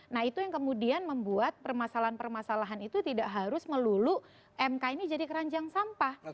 nah itu yang kemudian membuat permasalahan permasalahan itu tidak harus melulu mk ini jadi keranjang sampah